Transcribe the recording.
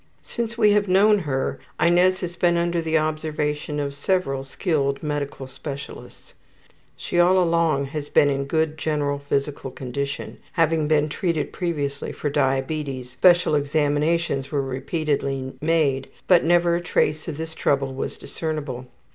Since we have known her, Inez has been under the observation of several skilled medical specialists. She all along has been in good general physical condition. Having been treated previously for diabetes, special examinations were repeatedly made, but never a trace of this trouble was discernible.